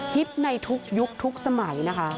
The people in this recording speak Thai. ฮิตในทุกยุคทุกสมัย